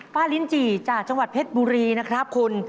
ลิ้นจี่จากจังหวัดเพชรบุรีนะครับคุณ